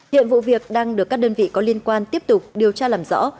hiện vụ việc đang được các đơn vị có liên quan tiếp tục điều tra làm rõ